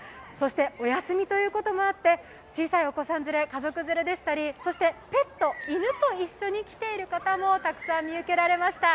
お休みということもあって小さい起こさん連れ、家族連れでしたり、ペット、犬と一緒に来ている方もたくさん見受けられました。